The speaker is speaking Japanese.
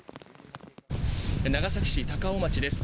長崎市高尾町です。